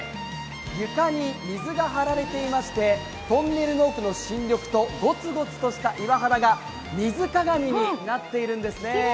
床に水が張られていまして、トンネルの奥の新緑とゴツゴツとした岩肌が水鏡になっているんですね。